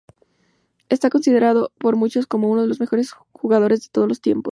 Es considerado por muchos como uno de los mejores jugadores de todos los tiempos.